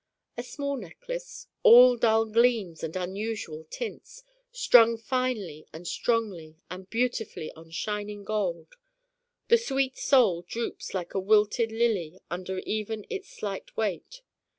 A small Necklace, all dull gleams and unusual tints, strung finely and strongly and beautifully on shining gold. The sweet Soul droops like a wilted lily under even its slight weight.